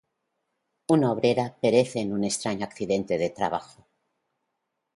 Una obrera perece en un extraño accidente de trabajo.